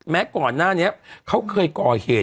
ก่อนหน้านี้เขาเคยก่อเหตุ